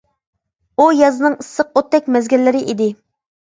ئۇ يازنىڭ ئىسسىق، ئوتتەك مەزگىللىرى ئىدى.